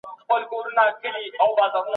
تدريس د ټاکلي وخت له پاره وي.